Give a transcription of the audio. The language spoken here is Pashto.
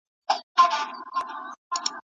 «هري سنګهـ» په جمرود بیا وهي سرونه